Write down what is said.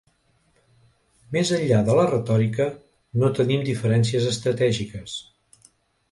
Més enllà de la retòrica, no tenim diferències estratègiques.